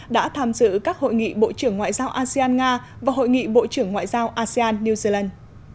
đã tham dự các hội nghị bộ trưởng ngoại giao asean nga và hội nghị bộ trưởng ngoại giao asean new zealand